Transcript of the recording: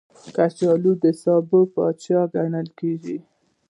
کچالو د سبو پاچا ګڼل کېږي